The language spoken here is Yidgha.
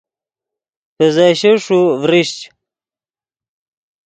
پیزیشے ݰُوۡ ڤرشچ